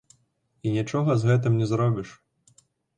І нічога з гэтым не зробіш.